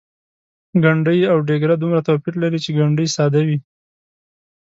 ګنډۍ او ډیګره دومره توپیر لري چې ګنډۍ ساده وي.